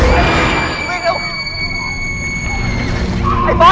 มันไรเยอะอ่ะไอ้ป๋อย